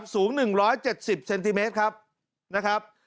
สูง๑๗๐เซนติเมตรครับ